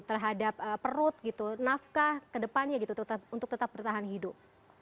terhadap perut gitu nafkah ke depannya gitu untuk tetap bertahan hidup